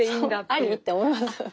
あり？って思いますよね。